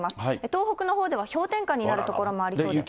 東北のほうでは氷点下になる所もありそうで。